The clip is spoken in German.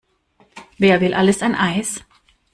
Wer will alles ein Eis?